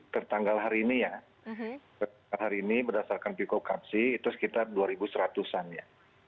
tertanggal hari ini ya hari ini berdasarkan piko kapsi itu sekitar dua seratus an ya